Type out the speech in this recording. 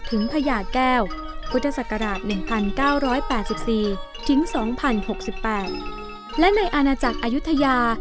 พญาแก้วพุทธศักราช๑๙๘๔ถึง๒๐๖๘และในอาณาจักรอายุทยา